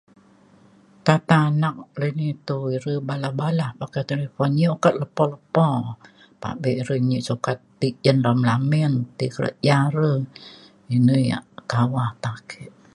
kata anak lini to ire balah balah pakai talifon nyi ukat lepo lepo pabe re nyi sukat ti ge dalem lamin ti kerja re. ini yak kawah ta ake